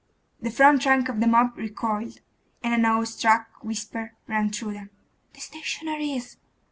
The front rank of the mob recoiled; and an awe struck whisper ran through them.... 'The Stationaries!